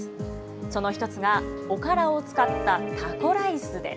その一つがおからを使ったタコライスです。